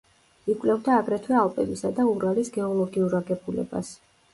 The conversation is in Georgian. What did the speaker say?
იკვლევდა აგრეთვე ალპებისა და ურალის გეოლოგიურ აგებულებას.